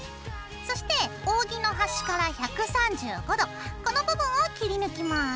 そして扇の端から１３５度この部分を切り抜きます。